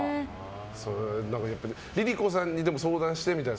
ＬｉＬｉＣｏさんに相談してみたいな？